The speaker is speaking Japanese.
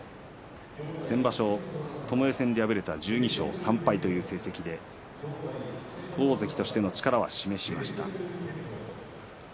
先場所ともえ戦で破れた１２勝３敗の成績で大関としての力を示しました。